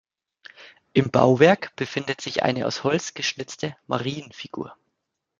Im Bauwerk befindet sich eine aus Holz geschnitzte Marienfigur.